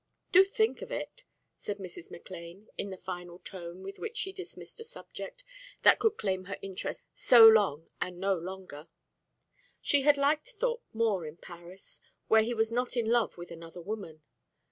"Do think of it," said Mrs. McLane, in the final tone with which she dismissed a subject that could claim her interest so long and no longer. She had liked Thorpe more in Paris, where he was not in love with another woman.